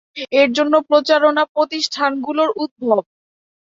এ জন্য প্রচারণা প্রতিষ্ঠানগুলোর উদ্ভব।